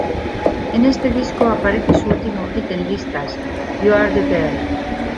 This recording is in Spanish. En este disco aparece su último hit en listas, You Are the Girl.